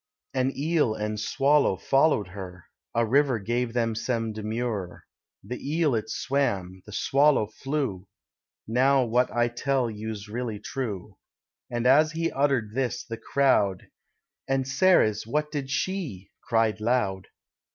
An Eel and Swallow follow'd her: A river gave them some demur. The Eel it swam: the Swallow flew, Now what I tell you's really true." And as he utter'd this, the crowd "And Ceres, what did she?" cried loud.